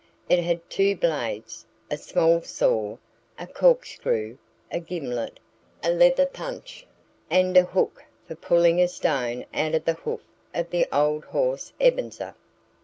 It had two blades, a small saw, a corkscrew, a gimlet, a leather punch, and a hook for pulling a stone out of the hoof of the old horse Ebenezer.